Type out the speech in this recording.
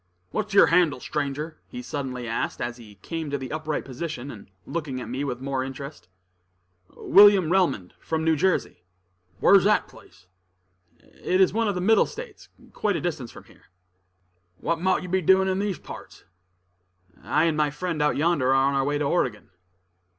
"What's yer handle, stranger?" he suddenly asked, as he came to the upright position, and looking at me with more interest. "William Relmond, from New Jersey." "Whar's that place?" "It is one of the Middle States, quite a distance from here." "What mought you be doin' in these parts?" "I and my friend out yonder are on our way to Oregon."